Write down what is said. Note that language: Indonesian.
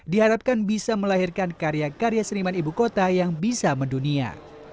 diharapkan bisa melahirkan karya karya seniman ibu kota yang bisa mendunia